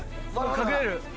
隠れる？